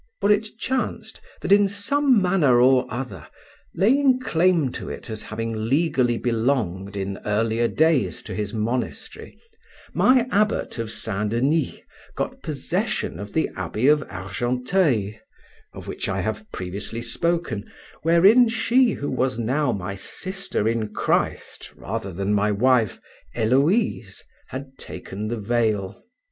For it chanced that in some manner or other, laying claim to it as having legally belonged in earlier days to his monastery, my abbot of St. Denis got possession of the abbey of Argenteuil, of which I have previously spoken, wherein she who was now my sister in Christ rather than my wife, Héloïse, had taken the veil.